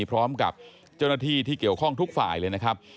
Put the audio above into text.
พร้อมกับเจ้าหน้าที่ที่เกี่ยวข้องทุกฝ่ายเลยนะครับ